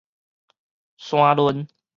沙崙